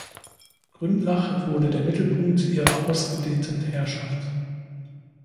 Gründlach wurde der Mittelpunkt ihrer ausgedehnten Herrschaft.